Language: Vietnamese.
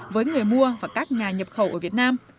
với người mua và các nhà nhập khẩu ở việt nam